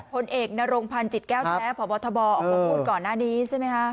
พลเอกนรงพันธ์จิตแก้วแท้พบทบออกมาพูดก่อนหน้านี้ใช่ไหมคะ